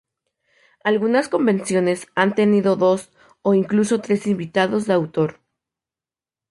Algunas convenciones han tenido dos o incluso tres invitados de autor.